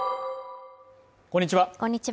こんにちは